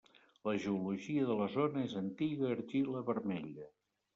La geologia de la zona és antiga argila vermella.